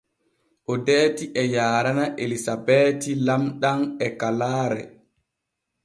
Odeeti e yaarana Elisabeeti lamɗam e kalaare.